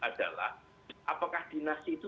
adalah apakah dinasti itu